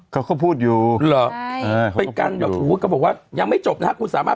เขาก็พูดอยู่เหรอเป็นการแบบหูก็บอกว่ายังไม่จบนะครับคุณสามารถ